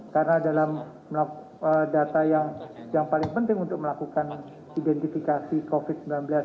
karena dalam data yang paling penting untuk melakukan identifikasi covid sembilan belas